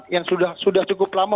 yang sudah cukup lama